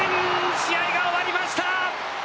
試合が終わりました。